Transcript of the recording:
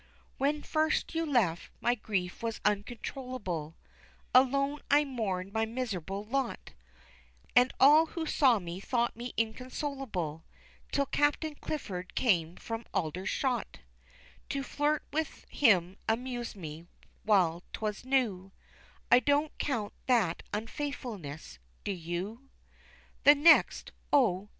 "When first you left, my grief was uncontrollable, Alone I mourned my miserable lot, And all who saw me thought me inconsolable, Till Captain Clifford came from Aldershot; To flirt with him amused me while 'twas new, I don't count that unfaithfulness. Do you? "The next oh!